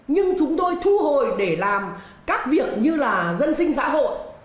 nhưng chúng tôi thu hồi để làm các việc như là dân sinh xã hội